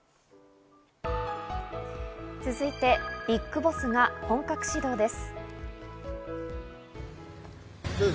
続いて、ビッグボスが本格始動です。